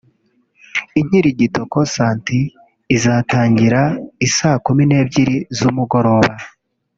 Inkirigito Concert izatangira i saa kumi n’ebyiri z’umugoroba